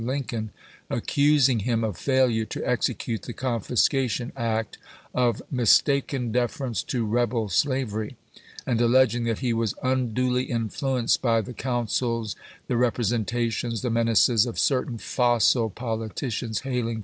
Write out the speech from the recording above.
Lincoln, accusing him of failure to execute the Confiscation Act, of " mistaken deference to rebel slavery," and alleging that he was " unduly influ enced by the counsels, the representations, the menaces, of certain fossil politicians hailing from 1 Lincoln to Bullitt, July 28, 1862.